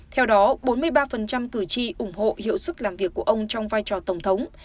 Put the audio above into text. theo đó bốn mươi ba cử tri ủng hộ hiệu sức làm việc của ông trong vai trò tổng thống